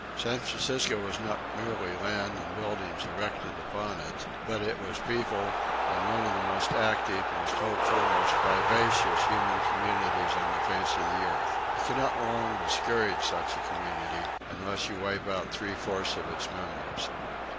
"San Francisco was not merely land and the buildings erected upon it, but it was people, and one of the most active, most hopeful, most vivacious human communities on the face of the earth. You cannot long discourage such a community, unless you wipe out three fourths of its members.